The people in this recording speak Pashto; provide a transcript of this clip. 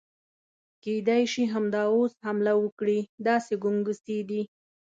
کېدای شي همدا اوس حمله وکړي، داسې ګنګوسې دي.